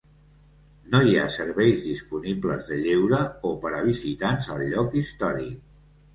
No hi ha serveis disponibles de lleure o per a visitants al lloc històric.